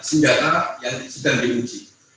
senjata yang sedang dimuji